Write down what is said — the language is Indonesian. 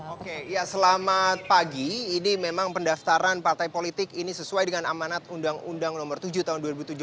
oke ya selamat pagi ini memang pendaftaran partai politik ini sesuai dengan amanat undang undang nomor tujuh tahun dua ribu tujuh belas